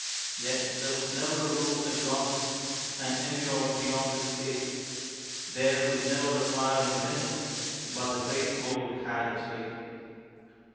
Yet there was never a rose that blossomed And endured beyond its day. There was never a fire enkindled But the great Cold had its way.